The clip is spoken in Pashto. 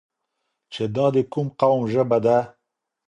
چې دا د کوم قوم ژبه ده؟